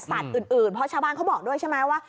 อื่นเพราะชาวบ้านเขาบอกด้วยใช่ไหมว่า